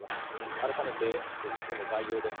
改めて、事故の概要です。